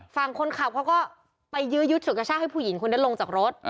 ฟังคนขับเขาก็ไปยืดสุขชาติให้ผู้หญิงคุณได้ลงจากรถ